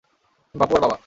বাপু আর বাবা!